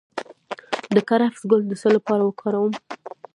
د کرفس ګل د څه لپاره وکاروم؟